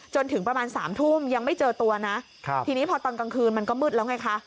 จนถึงประมาณ๓ทุ่มยังไม่เจอตัวนะทีนี้พอตอนกลางคืนมันก็มืดแล้วไงคะ